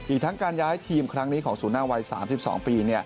อีกทั้งการย้ายทีมครั้งนี้ของศูนย์หน้าวัย๓๒ปี